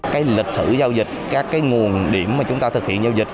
cái lịch sử giao dịch các cái nguồn điểm mà chúng ta thực hiện giao dịch